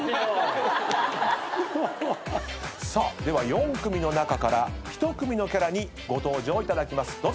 では４組の中から１組のキャラにご登場いただきます。